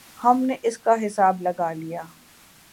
ہم نے اس کا حساب لگا لیا۔